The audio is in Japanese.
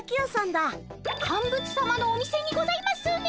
カンブツさまのお店にございますね。